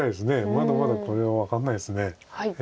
まだまだこれは分かんないです。